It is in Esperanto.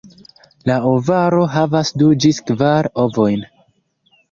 La ovaro havas du ĝis kvar ovojn.